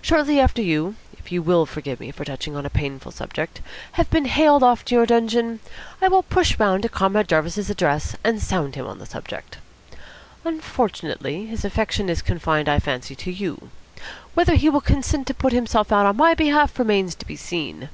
Shortly after you if you will forgive me for touching on a painful subject have been haled to your dungeon, I will push round to Comrade Jarvis's address, and sound him on the subject. Unfortunately, his affection is confined, I fancy, to you. Whether he will consent to put himself out on my behalf remains to be seen.